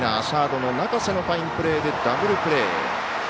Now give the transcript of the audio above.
サードの中瀬のファインプレーでダブルプレー。